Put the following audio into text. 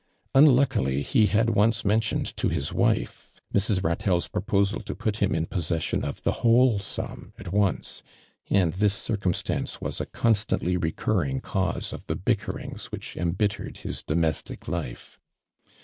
Unlucki ly he had once mentioned to his wife, Mrs. Katclle's pi oposal to put him in possession of the whole sum at onco, and this circum .<tance was a constantly recurring cause of the bickerings wliioh embittered his domes tic life.